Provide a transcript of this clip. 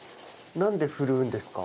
なんでふるうんですか？